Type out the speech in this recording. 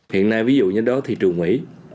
hiện nay ví dụ như đó là thị trường mỹ